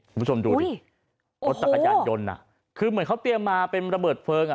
คุณผู้ชมดูดิรถจักรยานยนต์อ่ะคือเหมือนเขาเตรียมมาเป็นระเบิดเพลิงอ่ะ